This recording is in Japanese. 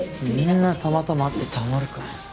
そんなたまたまあってたまるかよ。